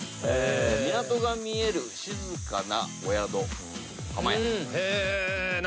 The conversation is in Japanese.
港が見える静かなお宿浜屋。